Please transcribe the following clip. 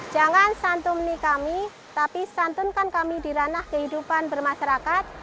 jangan santum nih kami tapi santunkan kami di ranah kehidupan bermasyarakat